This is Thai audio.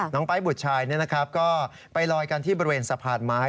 น้องป๊ายบุจชัยนี่ก็ไปลอยกันที่บริเวณสะพานไม้